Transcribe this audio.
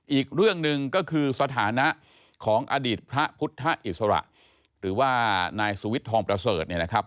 อีกเรื่องหนึ่งก็คือสถานะของอดีตพระพุทธอิสระหรือว่านายสุวิทย์ทองประเสริฐเนี่ยนะครับ